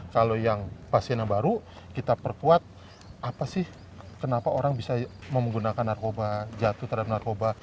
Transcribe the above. kalau yang pasien yang baru kita perkuat apa sih kenapa orang bisa menggunakan narkoba jatuh terhadap narkoba